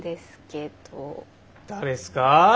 誰すか？